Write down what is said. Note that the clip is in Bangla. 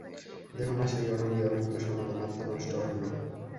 দেহনাশে এই অনাদি অনন্ত সনাতন আত্মা নষ্ট হন না।